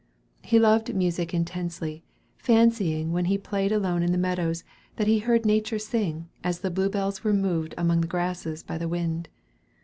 He loved music intensely, fancying when he played alone in the meadows, that he heard nature sing, as the bluebells were moved among the grasses by the wind.